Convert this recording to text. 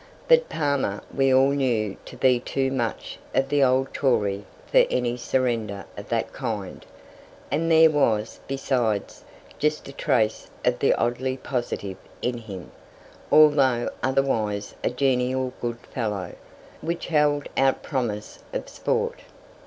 But Palmer we all knew to be too much of the old Tory for any surrender of that kind, and there was, besides, just a trace of the oddly positive in him, although otherwise a genial good fellow, which held out promise of sport.